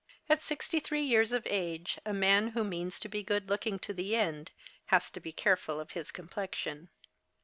At sixty three years of age a man, who means to be good looking to the end, has to be careful of his complexion.